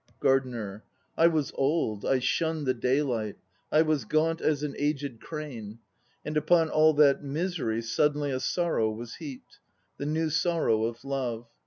GARDENER. I was old, I shunned the daylight, I was gaunt as an aged crane; And upon all that misery Suddenly a sorrow was heaped, The new sorrow of love.